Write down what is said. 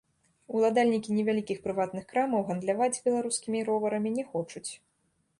Уладальнікі невялікіх прыватных крамаў гандляваць беларускімі роварамі не хочуць.